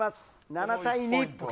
７対２。